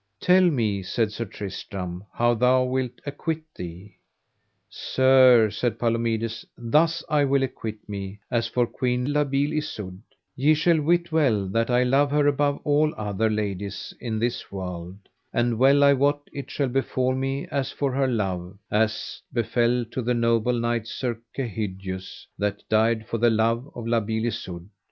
Tell me, said Sir Tristram, how thou wilt acquit thee? Sir, said Palomides, thus I will acquit me: as for Queen La Beale Isoud, ye shall wit well that I love her above all other ladies in this world; and well I wot it shall befall me as for her love as befell to the noble knight Sir Kehydius, that died for the love of La Beale Isoud.